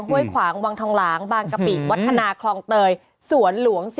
ห้วยขวางวังทองหลางบางกะปิวัฒนาคลองเตยสวนหลวง๔